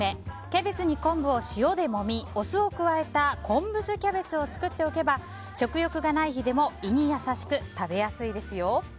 キャベツに昆布を塩でもみお酢を加えた昆布酢キャベツを作っておけば食欲がない日でも胃に優しく食べやすいですよ。